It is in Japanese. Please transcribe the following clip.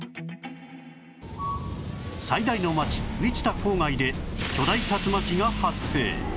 最大の街ウィチタ郊外で巨大竜巻が発生